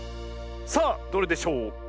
さあどれでしょうか？